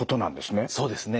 そうですね。